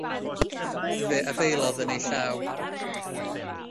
Fe afaelodd yn ei llaw.